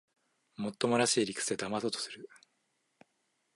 もっともらしい理屈でだまそうとする